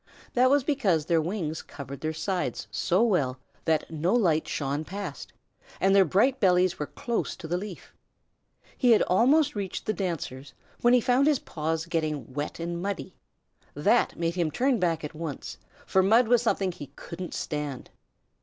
That was because their wings covered their sides so well that no light shone past, and their bright bellies were close to the leaf. He had almost reached the dancers when he found his paws getting wet and muddy. That made him turn back at once, for mud was something he couldn't stand.